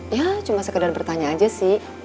ya cuma sekedar bertanya aja sih